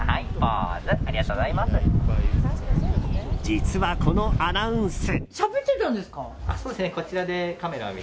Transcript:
実は、このアナウンス。